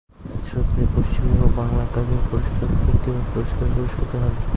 এছাড়াও তিনি পশ্চিমবঙ্গ বাংলা আকাদেমি পুরস্কার ও কৃত্তিবাস পুরস্কারে পুরস্কৃত হন।